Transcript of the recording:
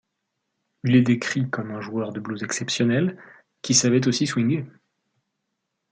Il est décrit comme un joueur de blues exceptionnel, qui savait aussi swinguer.